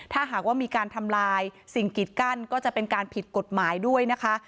ถ้าหากว่ามีการทำลายสิ่งกิดกั้นก็จะเป็นการผิดกฎหมายด้วยนะคะ